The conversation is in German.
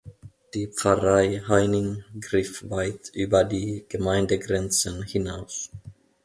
Die Pfarrei Heining griff weit über die Gemeindegrenzen hinaus.